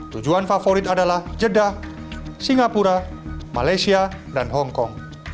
tujuan favorit adalah jeddah singapura malaysia dan hongkong